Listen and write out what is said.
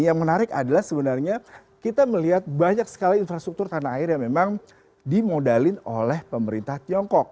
yang menarik adalah sebenarnya kita melihat banyak sekali infrastruktur tanah air yang memang dimodalin oleh pemerintah tiongkok